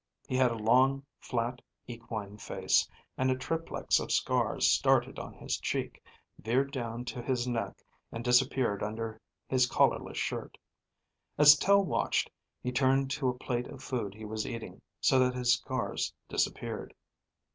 He had a long, flat, equine face, and a triplex of scars started on his cheek, veered down to his neck, and disappeared under his collarless shirt. As Tel watched, he turned to a plate of food he was eating, so that his scars disappeared.